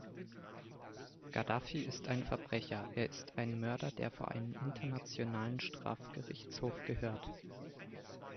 Gaddafi ist ein Verbrecher, er ist ein Mörder, der vor einen internationalen Strafgerichtshof gehört.